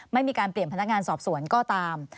ไม่มีการเปลี่ยนพนักงานสอบสวนก็ตาม